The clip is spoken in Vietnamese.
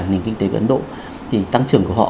nền kinh tế của ấn độ thì tăng trưởng của họ